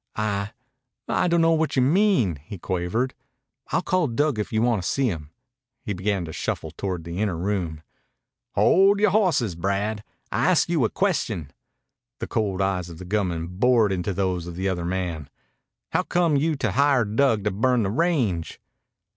"I I dunno what you mean," he quavered. "I'll call Dug if you wanta see him." He began to shuffle toward the inner room. "Hold yore hawsses, Brad. I asked you a question." The cold eyes of the gunman bored into those of the other man. "Howcome you to hire Dug to burn the range?"